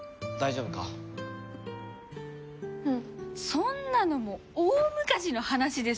そんなのもう大昔の話です！